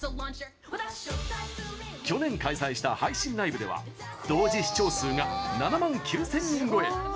去年開催した配信ライブでは同時視聴数が７万９０００人超え。